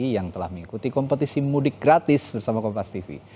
yang telah mengikuti kompetisi mudik gratis bersama kompas tv